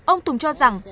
ông tùng cho rằng